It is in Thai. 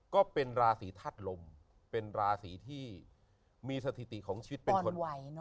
ก็เป็นราศีธาตุลมเป็นราศีที่มีสถิติของชีวิตเป็นคน